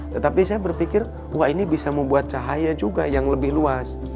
tetapi saya berpikir wah ini bisa membuat cahaya juga yang lebih luas